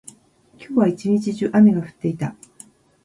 今日は一日中、雨が降っていた。